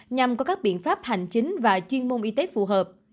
nhằm có các biện pháp hành chính và chuyên môn y tế phù hợp